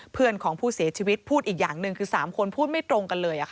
เพื่อนของผู้เสียชีวิตพูดอีกอย่างหนึ่งคือ๓คนพูดไม่ตรงกันเลย